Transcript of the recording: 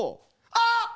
あっ！